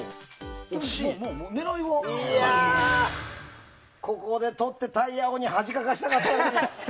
いやあここで取ってタイヤ王に恥かかせたかったのに。